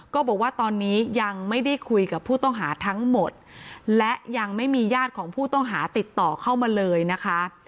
ก็บอกว่าตอนนี้ยังไม่ได้คุยกับผู้ต้องหาทั้งหมดและยังไม่มีญาติของผู้ต้องหาติดต่อเข้ามาเลยนะคะ